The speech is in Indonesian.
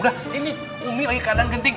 udah ini umi lagi keadaan genting